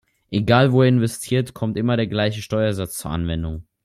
Egal wo er investiert, kommt immer der gleiche Steuersatz zur Anwendung.